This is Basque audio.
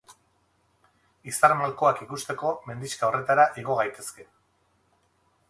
Izar malkoak ikusteko mendixka horretara igo gaitezke.